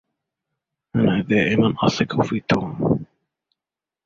انا دائما اثق في توم